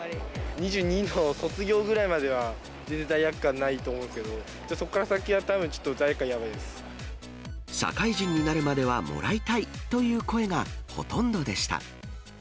２２の卒業ぐらいまでは、全然罪悪感ないと思うんですけど、そこから先はたぶんちょっと罪悪社会人になるまではもらいたいという声がほとんどでした。